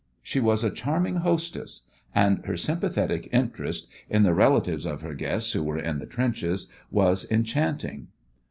She was a charming hostess, and her sympathetic interest in the relatives of her guests who were in the trenches was enchanting.